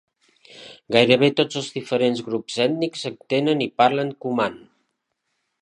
Gairebé tots els diferents grups ètnics entenen i parlen kuman.